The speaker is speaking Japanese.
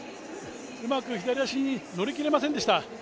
うまく左足に乗り切れませんでした。